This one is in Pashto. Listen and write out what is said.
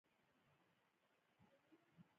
وکیل د رسمیت لپاره اړینې لوړې او لاسلیکونه ترسره کړل.